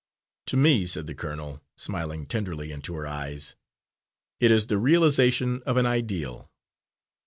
"To me," said the colonel, smiling tenderly into her eyes, "it is the realisation of an ideal.